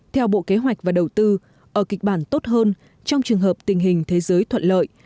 theo bộ kế hoạch và đầu tư ở kịch bản tốt hơn trong trường hợp tình hình thế giới thuận lợi